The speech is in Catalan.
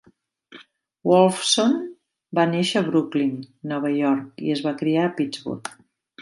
Wolfson va néixer a Brooklyn, Nova York, i es va criar a Pittsburgh.